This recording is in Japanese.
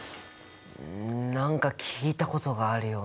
ん何か聞いたことがあるような。